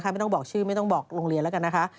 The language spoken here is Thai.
ไม่ต้องบอกชื่อไม่ต้องบอกโรงเรียนแล้วกันนะคะ